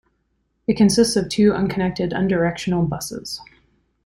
It consists of two unconnected unidirectional buses.